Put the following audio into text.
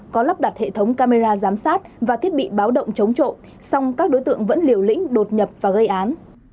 có lắp đặt hệ thống camera giám sát và thiết bị báo động chống trộm các đối tượng vẫn liều lĩnh đột nhập và gây án